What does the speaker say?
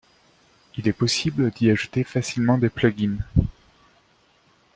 Il est possible d'y ajouter facilement des plugins.